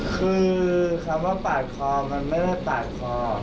คือคำว่าปาดคอมันไม่ได้ปาดคอ